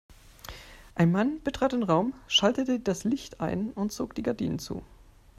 Ein Mann betrat den Raum, schaltete das Licht ein und zog die Gardinen zu.